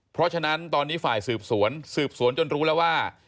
เพราะฉะนั้นตอนนี้ฝ่ายสืบสวนสืบสวนจนรู้แล้วว่า